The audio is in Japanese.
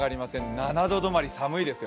７度止まり、寒いですよ。